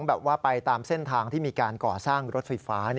แบบว่าไปตามเส้นทางที่มีการก่อสร้างรถไฟฟ้า